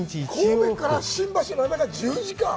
神戸から新橋までが１０時間！